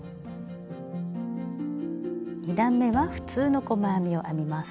２段めは普通の細編みを編みます。